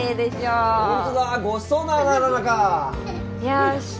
よし。